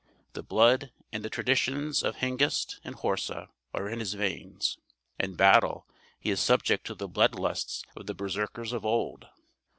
The blood and the tradition of Hengist and Horsa are in his veins. In battle he is subject to the blood lusts of the Berserkers of old.